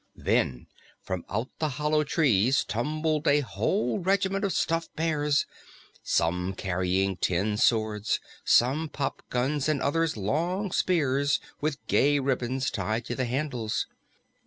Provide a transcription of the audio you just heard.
Then from out the hollow trees tumbled a whole regiment of stuffed bears, some carrying tin swords, some popguns and others long spears with gay ribbons tied to the handles.